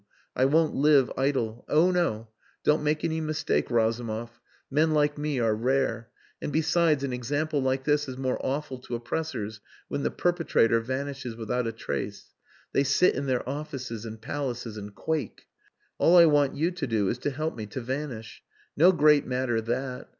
I won't live idle. Oh no! Don't make any mistake, Razumov. Men like me are rare. And, besides, an example like this is more awful to oppressors when the perpetrator vanishes without a trace. They sit in their offices and palaces and quake. All I want you to do is to help me to vanish. No great matter that.